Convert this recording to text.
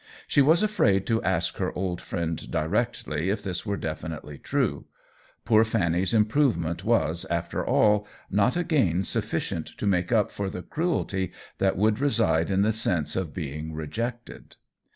She was afraid to ask her old friend directly if this were definitely true; poor Fanny's improvement was, after all, not a gain suffi cient to make up for the cruelty that would reside in the sense of being rejected.